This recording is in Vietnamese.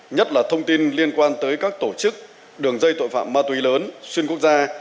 nhất là thông tin liên quan tới các tổ chức đường dây tội phạm ma túy lớn xuyên quốc gia